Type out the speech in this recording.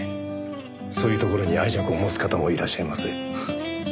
そういうところに愛着を持つ方もいらっしゃいます。